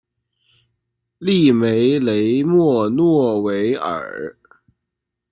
利梅雷默诺维尔。